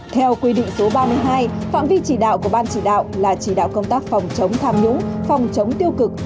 theo quy định số ba mươi hai phạm vi chỉ đạo của ban chỉ đạo là chỉ đạo công tác phòng chống tham nhũng phòng chống tiêu cực